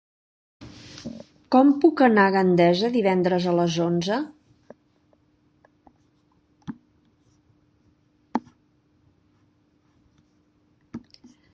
Com puc anar a Gandesa divendres a les onze?